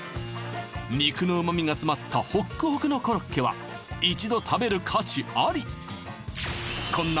肉の旨味が詰まったホックホクのコロッケは一度食べる価値ありこんな